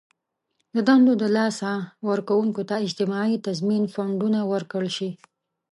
د دندو له لاسه ورکوونکو ته اجتماعي تضمین فنډونه ورکړل شي.